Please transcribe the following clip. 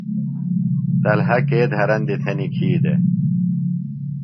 طلحہ کے دھرندیۡ تھےۡ نِکھی دےۡ؟